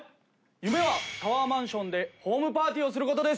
夢はタワーマンションでホームパーティーをすることです。